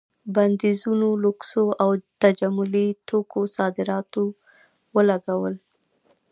بندیزونو لوکسو او تجملي توکو صادراتو ولګول.